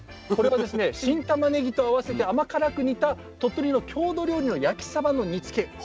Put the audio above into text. これはですね新たまねぎと合わせて甘辛く煮た鳥取の郷土料理の焼きサバの煮つけ。